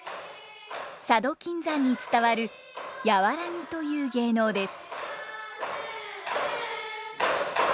佐渡金山に伝わる「やわらぎ」という芸能です。